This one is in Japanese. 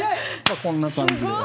こんな感じで。